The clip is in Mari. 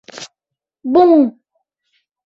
Буҥ!